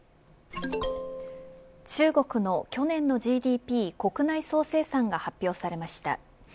中国の去年のＧＤＰ国内総生産が発表されました。